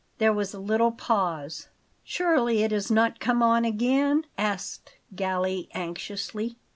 There was a little pause. "Surely it is not come on again?" asked Galli anxiously.